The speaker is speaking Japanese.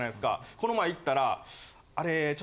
この前行ったら。